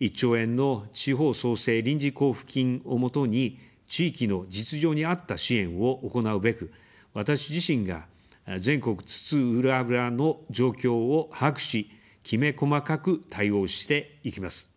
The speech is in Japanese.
１兆円の地方創生臨時交付金を基に、地域の実情に合った支援を行うべく、私自身が全国津々浦々の状況を把握し、きめ細かく対応していきます。